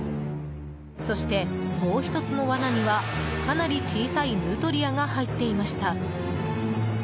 そして、もう１つの罠にはかなり小さいヌートリアが入っていました。